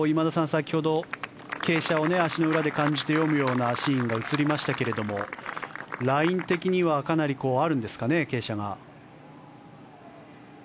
先ほど傾斜を足の裏で感じて読むようなシーンが映りましたがライン的にはかなりあるんですかね、傾斜が。